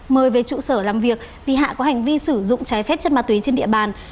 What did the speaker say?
mời về trụ sở làm việc vì hạ có hành vi sử dụng trái phép chất ma túy trên địa bàn